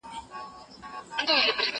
زوی یې زور کاوه پر لور د تورو غرونو